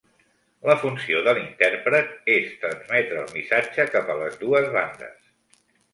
La funció de l'intèrpret és transmetre el missatge cap a les dues bandes.